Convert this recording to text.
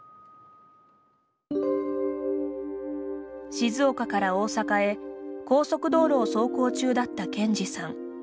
静岡から大阪へ高速道路を走行中だった健司さん。